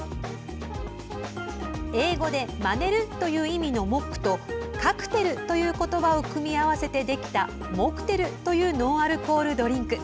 英語でまねるという意味のモックとカクテルという言葉を組み合わせてできたモクテルというノンアルコールドリンク。